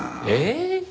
ええ？